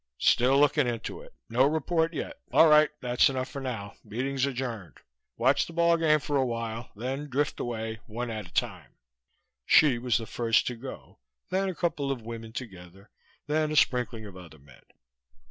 "Still looking into it. No report yet. All right, that's enough for now. Meeting's adjourned. Watch the ball game for a while, then drift away. One at a time." Hsi was the first to go, then a couple of women together, then a sprinkling of other men.